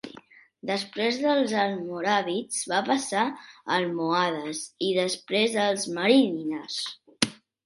Després dels almoràvits va passar als almohades i després als marínides.